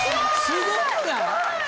すごくない？